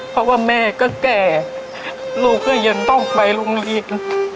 เพราะว่าแม่ก็แก่ลูกก็ยังต้องไปโรงเรียน